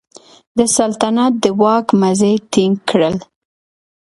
د سلطنت د واک مزي ټینګ کړل.